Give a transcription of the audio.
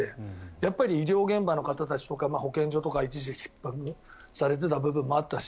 やっぱり医療現場の方たちとか保健所の方とか一時ひっ迫されていた時があったし